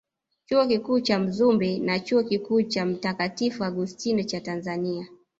Chuo Kikuu cha Mzumbe na Chuo Kikuu cha Mtakatifu Augustino cha Tanzania